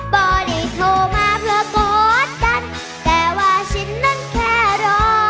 ก็ได้โทรมาเพื่อกอดกันแต่ว่าฉันนั้นแค่รอ